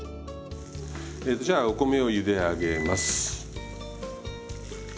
えとじゃあお米をゆで上げます。